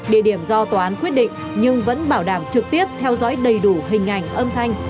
địa điểm do tòa án quyết định nhưng vẫn bảo đảm trực tiếp theo dõi đầy đủ hình ảnh âm thanh